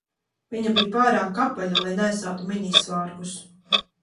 Viņa bija pārāk apaļa, lai nēsātu mini svārkus